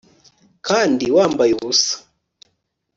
kandi wambaye ubusa